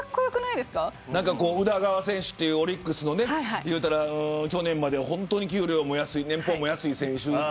宇田川選手というオリックスの去年まで本当に給料も安い選手